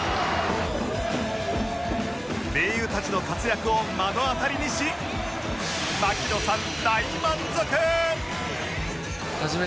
盟友たちの活躍を目の当たりにし槙野さん